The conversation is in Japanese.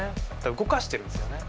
動かしてるんですよね。